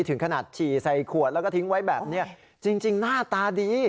ถึงขนาดฉี่ใส่ขวดแล้วก็ทิ้งไว้แบบนี้จริงหน้าตาดี